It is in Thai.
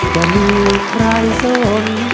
จะมีใครสน